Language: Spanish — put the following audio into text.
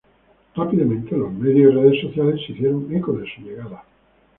Rápidamente los medios y redes sociales se hicieron eco de su llegada.